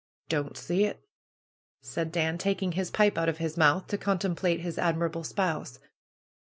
^^Don't see it!" said Dan, taking his pipe out of his mouth, to contemplate his admirable spouse.